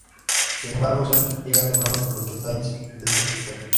Sin embargo, Sonic llega temprano, por lo que Tails le dice que espere.